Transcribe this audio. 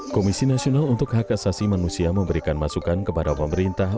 komisi nasional untuk hak asasi manusia memberikan masukan kepada pemerintah